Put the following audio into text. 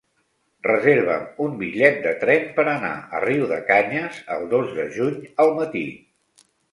Reserva'm un bitllet de tren per anar a Riudecanyes el dos de juny al matí.